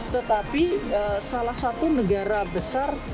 tetapi salah satu negara besar